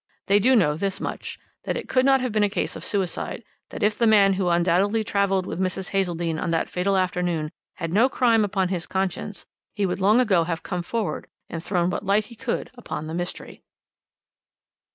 They do know this much, that it could not have been a case of suicide, that if the man who undoubtedly travelled with Mrs. Hazeldene on that fatal afternoon had no crime upon his conscience he would long ago have come forward and thrown what light he could upon the mystery.